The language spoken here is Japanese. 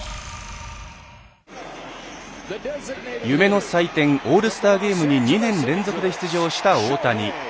夢の祭典、オールスターゲームに２年連続で出場した大谷。